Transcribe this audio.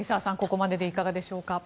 ここまででいかがでしょうか。